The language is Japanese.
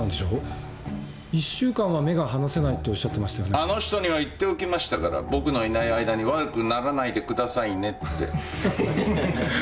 あの人には言っておきましたから僕のいない間に悪くならないでくださいねって。